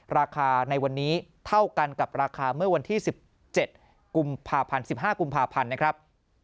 ราคาในวันนี้เท่ากันกับราคาเมื่อวันที่๑๗กุมภาพันธ์๑๕กุมภาพันธ์นะครับ